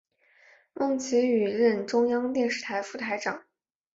孟启予任中央电视台副台长。